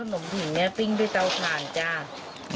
ขนมผิงนี้ปิ้งไปเตาต่างจาน